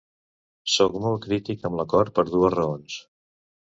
Sóc molt crític amb l’acord per dues raons.